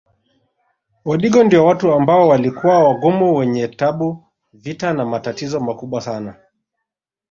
Wadigo ndio watu ambao walikuwa wagumu wenye tabu vita na matatizo makubwa sana